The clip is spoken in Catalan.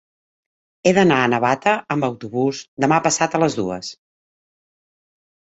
He d'anar a Navata amb autobús demà passat a les dues.